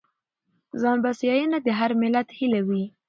ځانبسیاینه د هر ملت هیله وي.